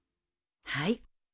はい。